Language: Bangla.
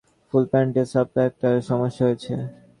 ফুল প্যান্টের সাপ্লাইয়ে একটা সমস্যা হয়েছে।